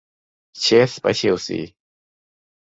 เชสไปเชลซี